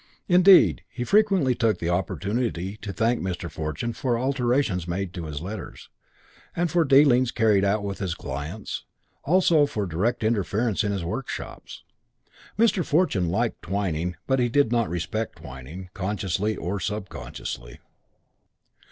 Indeed he frequently took opportunity to thank Mr. Fortune for alterations made in his letters and for dealings carried out with his clients, also for direct interference in his workshops. Mr. Fortune liked Twyning, but he did not respect Twyning, consciously or subconsciously.